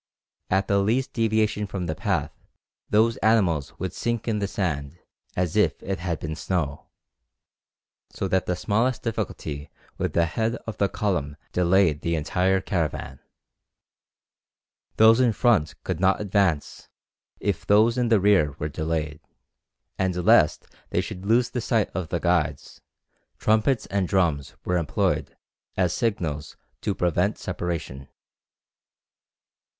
At the least deviation from the path those animals would sink in the sand as if it had been snow, so that the smallest difficulty with the head of the column delayed the entire caravan. Those in front could not advance if those in the rear were delayed; and lest they should lose sight of the guides, trumpets and drums were employed as signals to prevent separation.